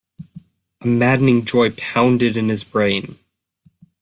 A maddening joy pounded in his brain.